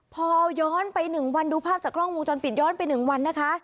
พอย้อนไปหนึ่งวันดูภาพจากกล้องมูลจอนปิดย้อนไปหนึ่งวันนะคะ